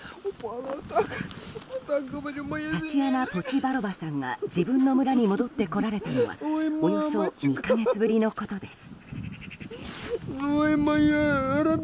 タチアナ・ポチバロバさんが自分の村に戻ってこられたのはおよそ２か月ぶりのことです。